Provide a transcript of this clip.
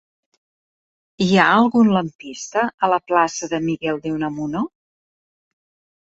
Hi ha algun lampista a la plaça de Miguel de Unamuno?